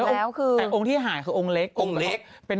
แต่องค์ที่หายคือองค์เล็ก